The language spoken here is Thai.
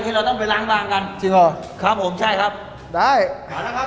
เราต้องไปล้างบางกันจริงเหรอครับผมใช่ครับได้อ่านะครับ